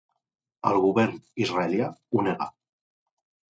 El govern israelià ho nega.